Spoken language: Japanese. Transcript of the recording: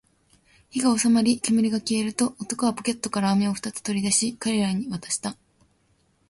火が収まり、煙が消えると、男はポケットから飴を二つ取り出し、僕らに渡した